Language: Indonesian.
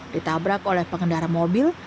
ditabrak oleh pengendara mobil